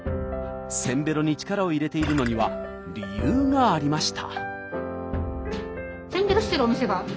せんべろに力を入れているのには理由がありました。